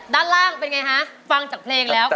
ด้านล่างเป็นไงฮะฟังจากเพลงแล้วค่ะ